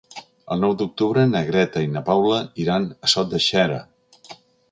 El nou d'octubre na Greta i na Paula iran a Sot de Xera.